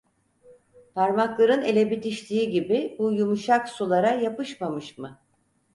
Parmakların ele bitiştiği gibi bu yumuşak sulara yapışmamış mı?